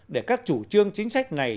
để các chủ trương chính sách này